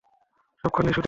সবখানেই শুধু মৃত্যু।